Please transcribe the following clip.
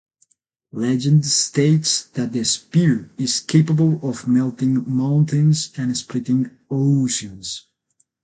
Legend states that the spear is capable of melting mountains and splitting oceans.